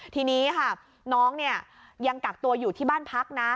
ทีนี้ค่ะน้องเนี่ยยังกักตัวอยู่ที่บ้านพักนะ